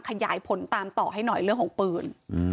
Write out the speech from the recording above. ขยายผลตามต่อให้หน่อยเรื่องของปืน